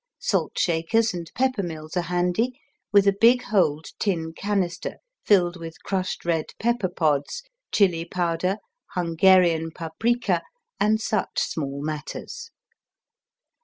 Salt shakers and pepper mills are handy, with a big holed tin canister filled with crushed red pepper pods, chili powder, Hungarian paprika and such small matters.